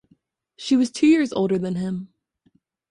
She was two years older than him.